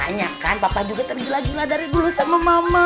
makanya kan papa juga terjela jela dari dulu sama mama